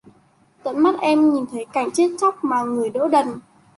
Tận mắt em nhìn cảnh chết chóc mà người đỡ đần